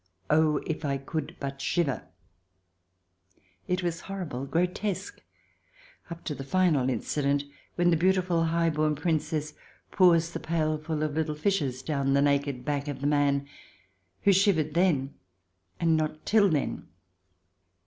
"Oh, if I could but shiver !" It was horrible, grotesque, up to the final incident, when the beautiful high born Princess pours the pailful of little fishes down the naked back of the man who shivered then, and not till then.